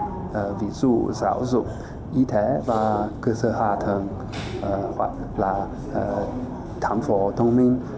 đối thủ giáo dục y tế và cơ sở hòa thường hoặc là thám phổ thông minh